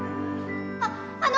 あっあの